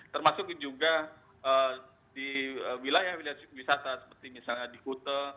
termasuk juga di wilayah wilayah wisata seperti misalnya di kute